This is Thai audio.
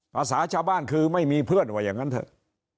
ภาษาชาวบ้านคือไม่มีเพื่อนว่าอย่างนั้นเถอะ